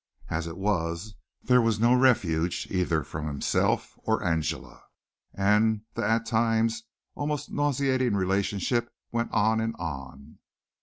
As it was there was no refuge either from himself or Angela, and the at times almost nauseating relationship went on and on.